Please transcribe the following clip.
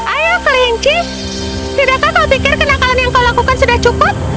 ayo kelinci tidakkah kau pikir kenakalan yang kau lakukan sudah cukup